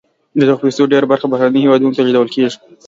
د دغه پیسو ډیره برخه بهرنیو هېوادونو ته لیږدول کیږي.